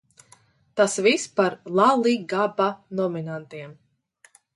Tas viss par "LaLiGaBa" nominantiem.